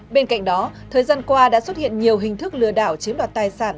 bên cạnh đó thời gian qua đã xuất hiện nhiều hình thức lừa đảo chiếm đoạt tài sản